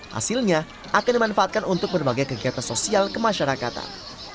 hasilnya akan dimanfaatkan untuk berbagai kegiatan sosial kemasyarakatan